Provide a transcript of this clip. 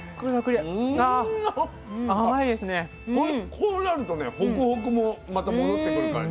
こうなるとねホクホクもまた戻ってくる感じ。